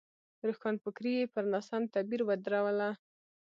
روښانفکري یې پر ناسم تعبیر ودروله.